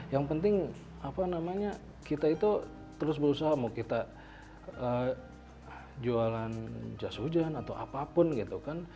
yang penting apa namanya kita itu terus berusaha mau kita jualan jas hujan atau apapun gitu kan